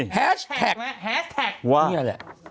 แฮชแท็กนี่แหละ